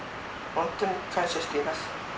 ほんとに感謝しています。